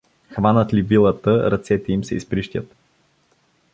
Хванат ли вилата, ръцете им се изприщят.